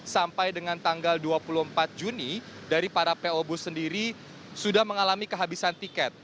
sampai dengan tanggal dua puluh empat juni dari para po bus sendiri sudah mengalami kehabisan tiket